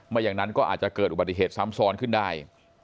อย่างนั้นก็อาจจะเกิดอุบัติเหตุซ้ำซ้อนขึ้นได้